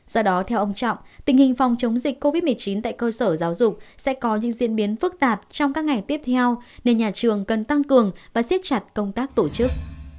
do đó theo ông trọng tình hình phòng chống dịch covid một mươi chín tại cơ sở giáo dục sẽ có những diễn biến phức tạp trong các ngày tiếp theo nên nhà trường cần tăng cường và siết chặt công tác tổ chức